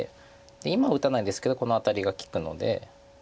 今打たないんですけどこのアタリが利くので。